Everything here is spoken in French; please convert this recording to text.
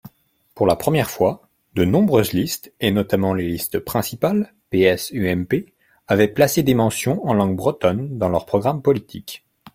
Pour la première fois, de nombreuses listes, et notamment les listes principales (PS, UMP), avaient placé des mentions en langue bretonne dans leurs programmes politiques.